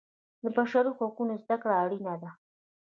د بشري حقونو زده کړه اړینه ده.